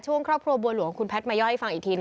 ครอบครัวบัวหลวงคุณแพทย์มาย่อยฟังอีกทีน